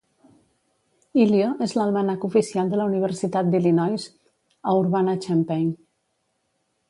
"Illio" és l'almanac oficial de la Universitat d'Illinois a Urbana-Champaign.